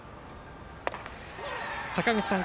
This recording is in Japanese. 坂口さん